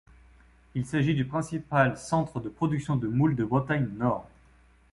Il s'agit du principal centre de production de moules de Bretagne nord.